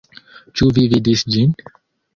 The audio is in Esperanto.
Ĉu vi vidis ĝin?